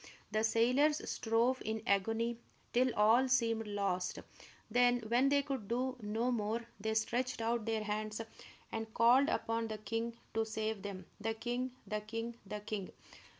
The sailors strove in agony till all seemed lost. Then, when they could do no more, they stretched out their hands and called upon the king to save them, the king, the king, the king!